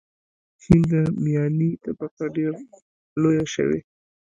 چین میاني طبقه ډېره لویه شوې.